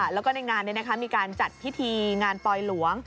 แล้วก็ในงานมีการจัดพิธีงานปลอยหลวง